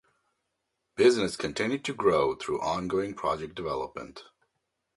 Business continued to grow through ongoing product development.